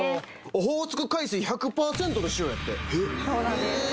オホーツク海水１００％の塩やってそうなんです